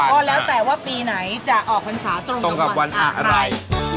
แล้วแต่ว่าปีไหนจะออกพันศาตรงกับวันอะไรตรงกับวันอะไร